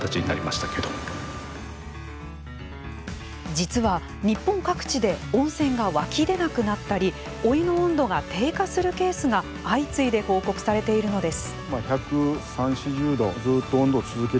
実は日本各地で温泉が湧き出なくなったりお湯の温度が低下するケースが相次いで報告されているのです。